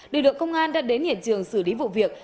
lực lượng công an đã đến hiện trường xử lý vụ việc